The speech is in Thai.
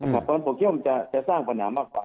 ก็ไม่มีพอผมคิดว่าจะสร้างปัญหามากกว่า